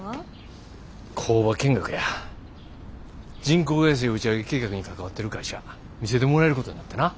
人工衛星打ち上げ計画に関わってる会社見せてもらえることになってな。